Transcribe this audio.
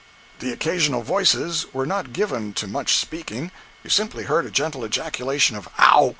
The occasional voices were not given to much speaking—you simply heard a gentle ejaculation of "Ow!"